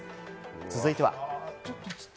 続いては。